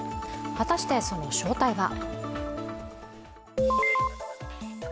果たして、その正体は。